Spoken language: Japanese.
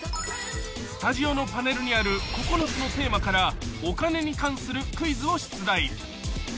［スタジオのパネルにある９つのテーマからお金に関するクイズを出題］